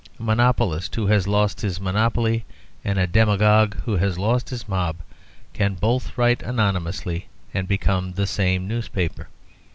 A monopolist who has lost his monopoly, and a demagogue who has lost his mob, can both write anonymously and become the same newspaper.